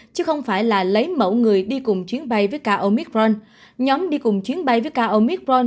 chứ không phải là lấy mẫu người đi cùng chuyến bay với cả omicron